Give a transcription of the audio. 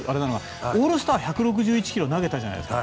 オールスター１６８キロ投げたじゃないですか。